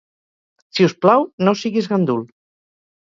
Si us plau, no siguis gandul.